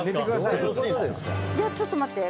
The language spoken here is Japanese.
「いやちょっと待って。